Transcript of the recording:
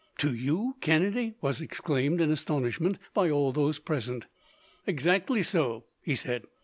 "To you, Kennedy?" was exclaimed, in astonishment, by all those present. "Exactly so," he said.